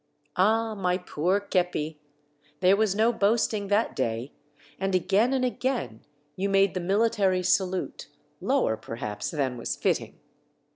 Ah ! my poor kepi, there was no boasting that day, and again and again you made the military salute, lower per haps than was fitting.